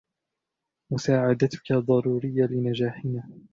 مساعدتك ضرورية لنجاحنا.